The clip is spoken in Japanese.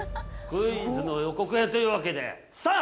◆クイズの予告編というわけで、さあ！